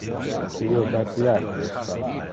Pote io basiar te?